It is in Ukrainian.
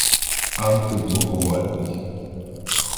антиблокувальний